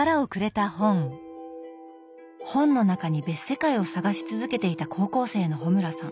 本の中に別世界を探し続けていた高校生の穂村さん。